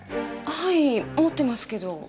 はい持ってますけど。